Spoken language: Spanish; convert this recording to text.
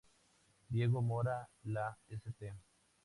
Diego Mora, la St.